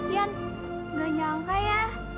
ian gak nyangka ya